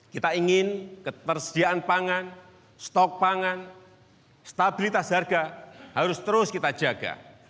kita ingin ketersediaan pangan stok pangan stabilitas harga harus terus kita jaga